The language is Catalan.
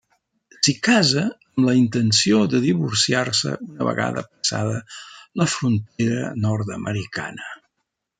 S’hi casa amb la intenció de divorciar-se una vegada passada la frontera nord-americana.